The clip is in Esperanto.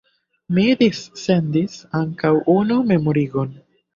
Mi dissendis ankaŭ unu memorigon.